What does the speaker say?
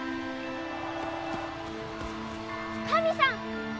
神さん！